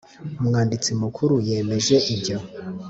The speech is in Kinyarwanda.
Umwanditsi mukuru yemeje ibyo